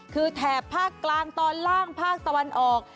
คือแถบภาคกลางตอนล่างภาคตะวันออก